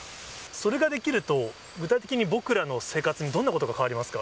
それができると、具体的に僕らの生活にどんなことが変わりますか？